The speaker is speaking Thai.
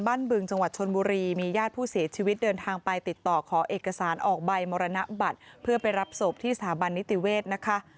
บึงจังหวัดชนบุรีมีญาติผู้เสียชีวิตเดินทางไปติดต่อขอเอกสารออกใบมรณบัตรเพื่อไปรับศพที่สถาบันนิติเวศนะคะ